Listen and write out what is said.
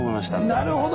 なるほど。